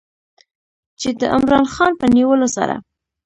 چې د عمران خان په نیولو سره